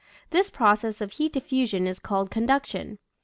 This process of heat diffusion is called conduction.